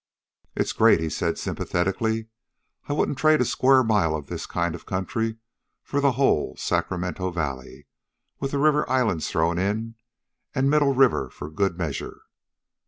"It's great," he said sympathetically. "I wouldn't trade a square mile of this kind of country for the whole Sacramento Valley, with the river islands thrown in and Middle River for good measure.